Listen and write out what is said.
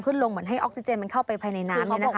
เหมือนให้ออกซิเจนมันเข้าไปภายในน้ำเลยนะคะ